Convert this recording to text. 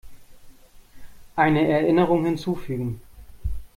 Eine Erinnerung hinzufügen.